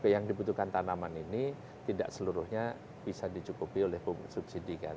yang dibutuhkan tanaman ini tidak seluruhnya bisa dicukupi oleh subsidi kan